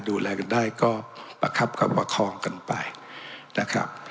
ดูแลกันได้ก็ประคับกับประคองกันไปนะครับ